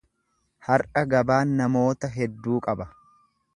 Har’a gabaan namoota hedduu qaba.